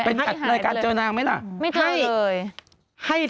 เป็นรายการเจอนางไหมล่ะไม่เจอเลยไม่เจอเลย